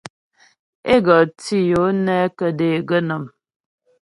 É go tǐ yo nɛ kə̀dé gə̀nɔ́m.